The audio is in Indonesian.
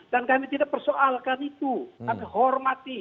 kami tidak persoalkan itu kami hormati